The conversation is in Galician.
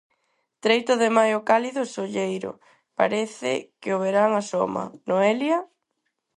Treito de maio cálido e solleiro. Parece que o verán asoma, Noelia?